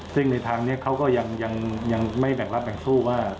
ซึ่งในทางนี้เขาก็ยังไม่แบ่งรับแบ่งสู้ว่า